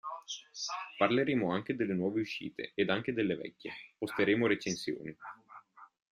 Parleremo anche delle nuove uscite, ed anche delle vecchie, posteremo recensioni.